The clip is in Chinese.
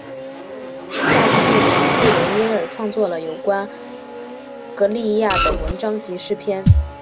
夏绿蒂与布伦威尔创作了有关安格利亚的文章及诗篇。